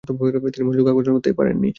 তিনি মনোযোগ আকর্ষণ করতে পারেননি।